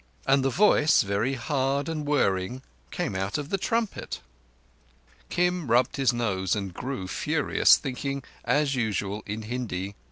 And the voice, very hard and whirring, came out of the trumpet. Kim rubbed his nose and grew furious, thinking, as usual, in Hindi.